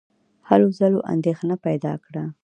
هلو ځلو اندېښنه پیدا کړه.